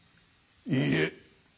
いいえ。